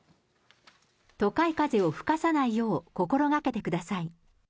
都会風を吹かさないよう、心がけてください。